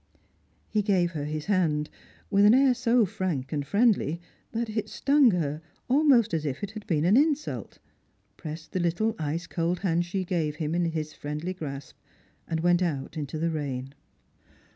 He gave her his hand, with an air so frank and friendly that it stung her almost as if it had been an insult, pressed the httle ice cold hand she gave him in hi« friendly grasp, and went out into the rain.